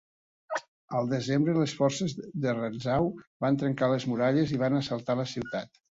Al desembre, les forces de Rantzau van trencar les muralles i van assaltar la ciutat.